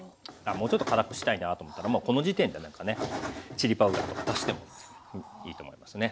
もうちょっと辛くしたいなぁと思ったらこの時点でなんかねチリパウダーとか足してもいいと思いますね。